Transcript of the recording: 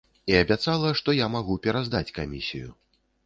І абяцала, што я магу пераздаць камісію.